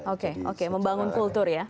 oke oke membangun kultur ya